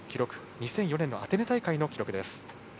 ２００４年のアテネ大会の記録です。